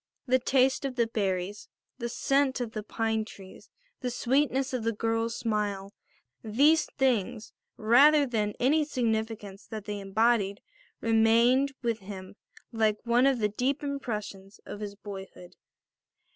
The taste of the berries, the scent of the pine trees, the sweetness of the girl's smile, these things, rather than any significance that they embodied, remained with him like one of the deep impressions of his boyhood.